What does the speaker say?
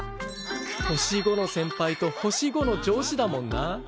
星５の先輩と星５の上司だもんな。